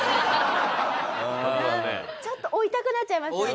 ちょっと追いたくなっちゃいますよね